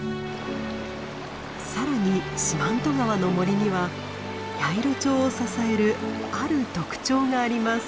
さらに四万十川の森にはヤイロチョウを支えるある特徴があります。